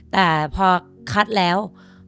แต่พอคัดแล้ว